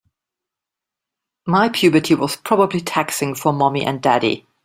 My puberty was probably taxing for mommy and daddy.